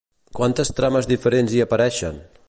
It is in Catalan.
Quantes trames diferents hi apareixen?